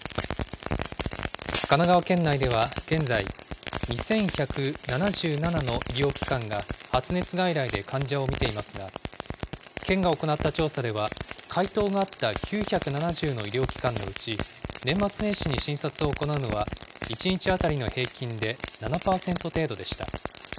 神奈川県内では現在、２１７７の医療機関が発熱外来で患者を診ていますが、県が行った調査では、回答があった９７０の医療機関のうち、年末年始に診察を行うのは、１日当たりの平均で７％程度でした。